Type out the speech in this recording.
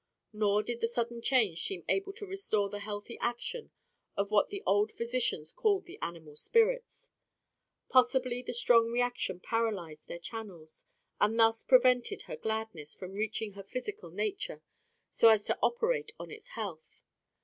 Nor did the sudden change seem able to restore the healthy action of what the old physicians called the animal spirits. Possibly the strong reaction paralysed their channels, and thus prevented her gladness from reaching her physical nature so as to operate on its health.